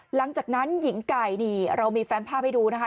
หลังจากนั้นหญิงไก่นี่เรามีแฟนภาพให้ดูนะคะ